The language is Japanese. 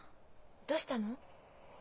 どうしたの？